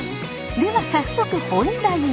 では早速本題へ。